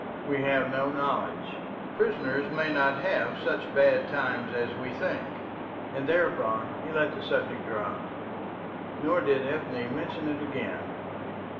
We have no knowledge. Prisoners may not have such bad times as we think;" and thereupon he let the subject drop. Nor did Ethne mention it again.